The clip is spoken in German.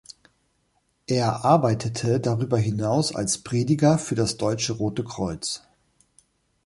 Er arbeitete darüber hinaus als Prediger für das Deutsche Rote Kreuz.